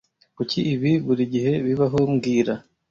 Kuki ibi buri gihe bibaho mbwira